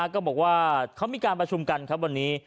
ก็บอกว่าเขามีการประชุมกันครับวันนี้